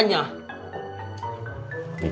nggak ada apa apa